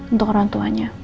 untuk orang tuanya